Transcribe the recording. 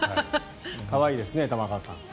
可愛いですね、玉川さん。